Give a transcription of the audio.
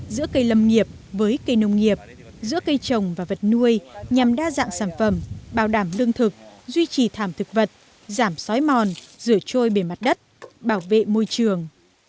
giữa cây lâm nghiệp với cây nông nghiệp giữa cây trồng và vật nuôi nhằm đa dạng sản phẩm bảo đảm lương thực duy trì thảm thực vật giảm sói mòn rửa trôi bề mặt đất bảo vệ môi trường